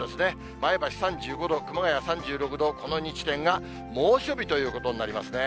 前橋３５度、熊谷３６度、この２地点が猛暑日ということになりますね。